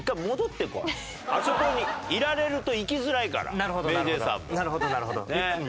あそこにいられると行きづらいからＭａｙＪ．さんも。